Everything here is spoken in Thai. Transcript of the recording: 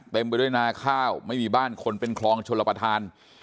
ไปด้วยนาข้าวไม่มีบ้านคนเป็นคลองชลประธาน